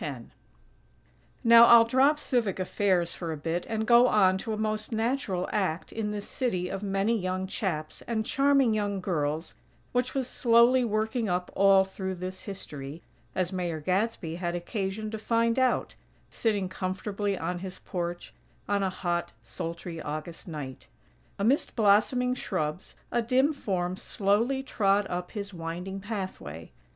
X Now I'll drop civic affairs for a bit, and go on to a most natural act in this city of many young chaps and charming young girls which was slowly working up all through this history, as Mayor Gadsby had occasion to find out, sitting comfortably on his porch on a hot, sultry August night. Amidst blossoming shrubs, a dim form slowly trod up his winding pathway.